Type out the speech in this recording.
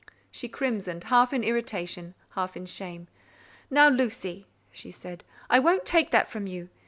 She crimsoned, half in irritation, half in shame. "Now, Lucy," she said, "I won't take that from you.